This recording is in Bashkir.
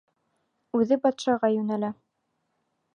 Үҙе батшаға йүнәлә.